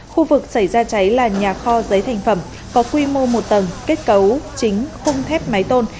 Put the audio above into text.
khu vực xảy ra cháy là nhà kho giấy thành phẩm có quy mô một tầng kết cấu chính khung thép máy tôn